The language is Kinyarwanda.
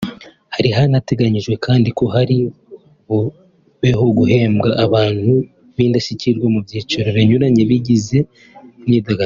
Hari hanateganyijwe kandi ko hari bubeho guhemba abantu b’indashyikirwa mu byiciro binyuranye bigize imyidagaduro